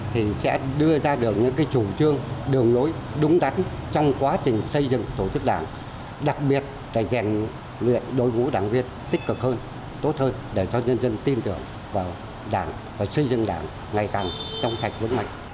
thì sẽ đưa ra được những cái chủ trương đường lối đúng đắn trong quá trình xây dựng tổ chức đảng đặc biệt phải rèn luyện đội ngũ đảng viên tích cực hơn tốt hơn để cho nhân dân tin tưởng vào đảng và xây dựng đảng ngày càng trong sạch vững mạnh